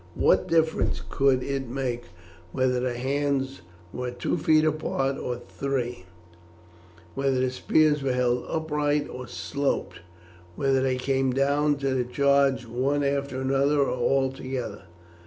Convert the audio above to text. What difference could it make whether the hands were two feet apart or three, whether the spears were held upright or sloped, whether they came down to the charge one after another or all together?